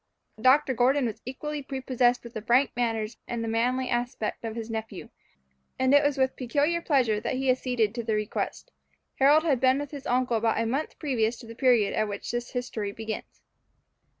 Dr. Gordon was equally prepossessed with the frank manners and manly aspect of his nephew, and it was with peculiar pleasure that he acceded to the request. Harold had been with his uncle about a month previous to the period at which this history begins.